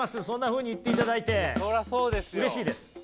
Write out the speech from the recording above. そんなふうに言っていただいてうれしいです。